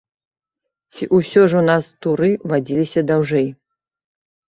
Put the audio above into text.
Ці ўсё ж у нас туры вадзіліся даўжэй?